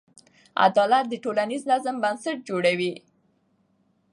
عدالت د ټولنیز نظم بنسټ جوړوي.